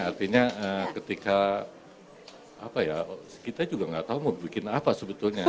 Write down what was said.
artinya ketika apa ya kita juga nggak tahu mau bikin apa sebetulnya